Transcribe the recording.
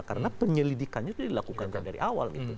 karena penyelidikannya sudah dilakukan dari awal